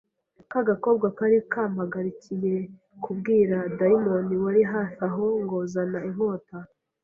ka gakobwa kari kampagarikiye kabwira dayimoni wari hafi aho ngo zana inkota